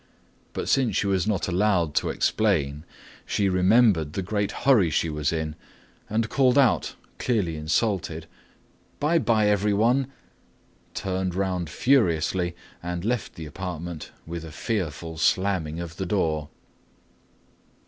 But since she was not allowed to explain, she remembered the great hurry she was in, and called out, clearly insulted, "Bye bye, everyone," turned around furiously and left the apartment with a fearful slamming of the door.